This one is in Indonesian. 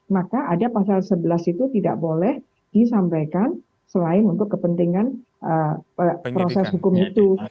maka ada pasal sebelas itu tidak boleh disampaikan selain untuk kepentingan proses hukum itu